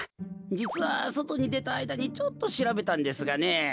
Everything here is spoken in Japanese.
じつはそとにでたあいだにちょっとしらべたんですがね。